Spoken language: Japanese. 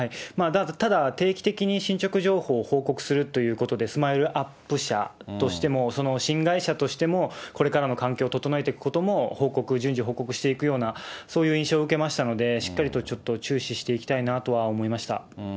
ただ、定期的に進捗情報を報告するということで、スマイルアップ社としても、新会社としても、これからの環境を整えていくことも、報告、順次報告していくような、そういう印象を受けましたので、しっかりとちょっと注視していきたいなとは思いました。